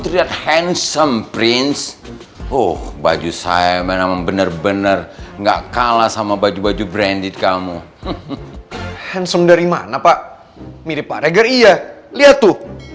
terus gue yang ketipu